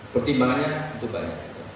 pertimbangannya untuk banyak